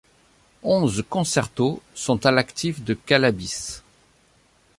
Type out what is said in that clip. Onze concertos sont à l’actif de Kalabis.